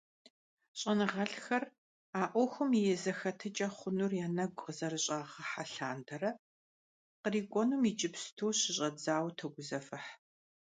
ЩIэныгъэлIхэр, а Iуэхум и зэхэтыкIэ хъунур я нэгу къызэрыщIагъыхьэ лъандэрэ, кърикIуэнум иджыпсту щыщIэдзауэ тогузэвыхь.